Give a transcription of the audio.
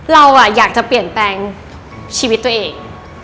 เราอยากจะเปลี่ยนแปลงชีวิตตัวเอง